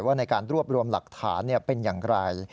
ในการรวบรวมหลักฐานเป็นอย่างไร